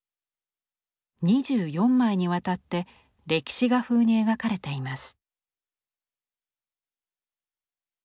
２４枚にわたって歴史画風に描かれています。